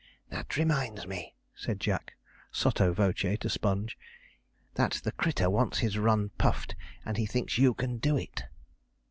'That reminds me,' said Jack, sotto voce to Sponge, 'that the crittur wants his run puffed, and he thinks you can do it.'